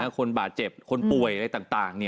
คนบาดเจ็บคนป่วยอะไรต่าง